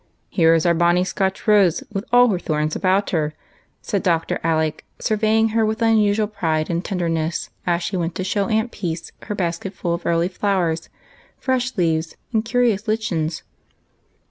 " Here is our bonny Scotch rose with all her thorns about her," said Dr. Alec, surveying her with unusual pride and tenderness, as she went to show Aunt Peace her basket full of early flowers, fresh leaves, and curious lichens.